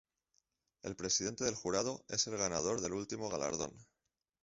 El presidente del jurado es el ganador del último galardón.